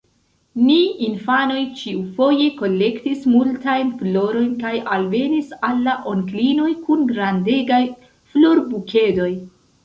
Ni infanoj ĉiufoje kolektis multajn florojn kaj alvenis al la onklinoj kun grandegaj florbukedoj.